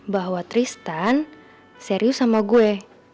bahwa tristan serius sama gue